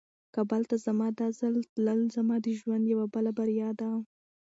کابل ته زما دا ځل تلل زما د ژوند یوه بله بریا وه.